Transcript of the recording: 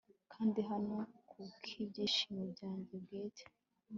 kandi hano, kubwibyishimo byanjye bwite